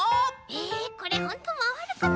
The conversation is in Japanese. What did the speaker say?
えこれほんとまわるかな？